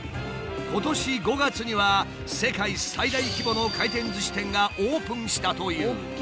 今年５月には世界最大規模の回転ずし店がオープンしたという。